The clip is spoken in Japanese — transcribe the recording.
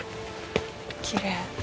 きれい。